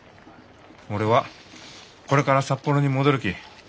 俺はこれから札幌に戻るき。